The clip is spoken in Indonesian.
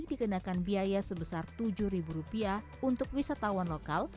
dikenakan biaya sebesar rp tujuh untuk wisatawan lokal